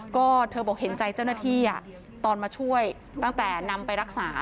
ก็เธอบอกเห็นใจเจ้าหน้าที่ตอนมาช่วยตั้งแต่นำไปรักษา